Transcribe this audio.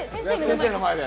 先生の前で。